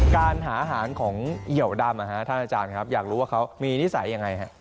การหาอาหารของเหยียวดำท่านอาจารย์ครับอยากรู้ว่าเขามีนิสัยยังไงฮะ